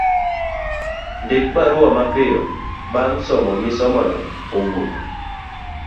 Ndik barua mapiyo bang' somo misomono osewuok